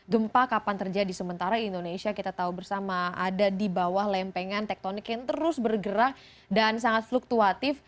gempa kapan terjadi sementara indonesia kita tahu bersama ada di bawah lempengan tektonik yang terus bergerak dan sangat fluktuatif